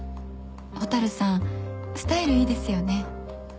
蛍さんスタイルいいですよね。